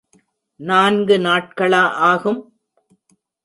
நான்கு நாட்களா ஆகும்?